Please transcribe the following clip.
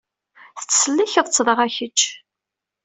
Tettsellikeḍ-tt, dɣa kečč.